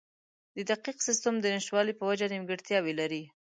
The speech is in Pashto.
د دقیق سیستم د نشتوالي په وجه نیمګړتیاوې لري.